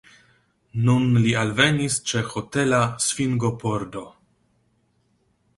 Nun li alvenis ĉe hotela svingopordo.